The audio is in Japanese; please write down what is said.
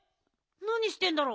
なにしてんだろ？